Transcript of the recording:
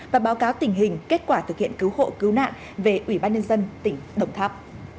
và báo cáo tình hình kết quả thực hiện cứu hộ cứu nạn về ủy ban nhân dân tỉnh đồng tháp